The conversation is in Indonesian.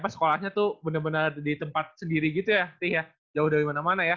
sekolahnya tuh bener bener di tempat sendiri gitu ya tih ya jauh dari mana mana ya